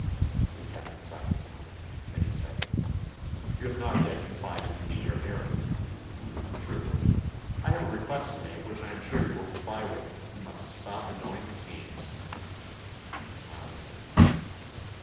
They sat in silence a moment. Then he said: "You have not yet confided to me your errand." "True. I have a request to make which I am sure you will comply with. You must stop annoying the Kanes." He smiled at her.